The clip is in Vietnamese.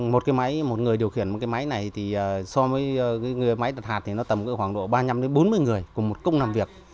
một người điều khiển một cái máy này thì so với cái máy đặt hạt thì nó tầm khoảng độ ba mươi năm bốn mươi người cùng một cung làm việc